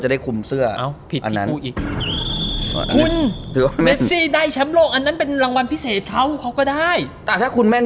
จะได้คุมเสื้ออันนั้น